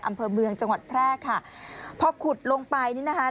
อำเภอเมืองจังหวัดแพร่ค่ะพอขุดลงไปนี่นะคะ